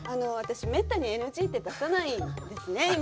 私めったにＮＧって出さないんですね。